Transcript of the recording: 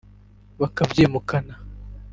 bakabyimukana